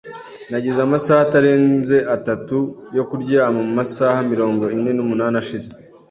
Nagize amasaha atarenze atatu yo kuryama mumasaha mirongo ine n'umunani ashize.